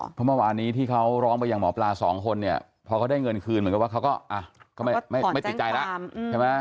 เพราะเมื่อวานี้ที่เขาร้องไปอย่างหมอปลา๒คนเนี่ยพอเขาได้เงินคืนเหมือนกับว่าเขาก็อ่ะไม่ติดใจละ